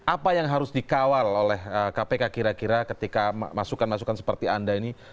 apa yang harus dikawal oleh kpk kira kira ketika masukan masukan seperti anda ini